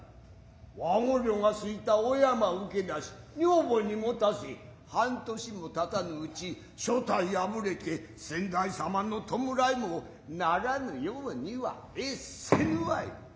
わごりょが好いたお山請出し女房に持たせ半年もたたぬ内世帯破れて先代様の弔も成らぬようには得せぬワイ。